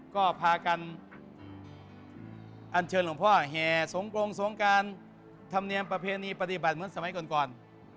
ก็พากันอันเชิญหลวงพ่อแห่สงกรงสงการธรรมเนียมประเพณีปฏิบัติเหมือนสมัยก่อน